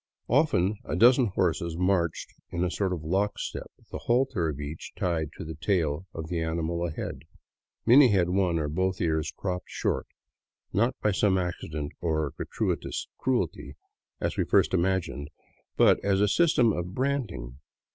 Often a dozen horses marched in a sort of lockstep, the halter of each tied to the tail of the animal ahead. Many had one or both ears cropped short, not by some accident or gratuitous cruelty, as we at first imagined, but as a system of branding.